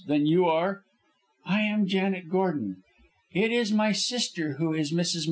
Then you are " "I am Janet Gordon. It is my sister who is Mrs. Moxton."